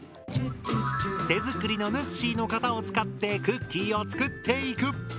手作りのぬっしーの型を使ってクッキーを作っていく。